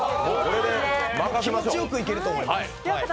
気持ちよくいけると思います。